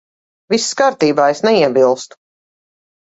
Viss kārtībā. Es neiebilstu.